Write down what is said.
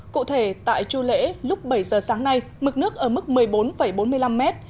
cụ thể tại chu lễ lúc bảy giờ sáng nay mực nước ở mức một mươi bốn bốn mươi năm mét